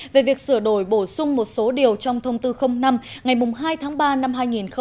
về việc sửa đổi bổ sung một số điều trong thông tư năm ngày hai tháng ba năm hai nghìn một mươi bảy